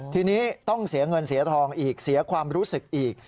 ทีนี้ต้องเสียเงินเสียทองอีกเสียความรู้สึกอีก